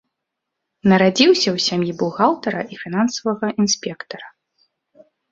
Нарадзіўся ў сям'і бухгалтара і фінансавага інспектара.